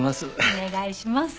お願いします。